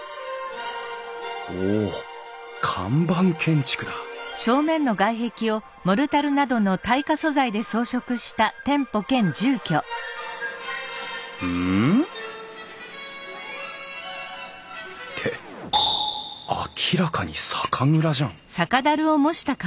おお看板建築だうん？って明らかに酒蔵じゃん！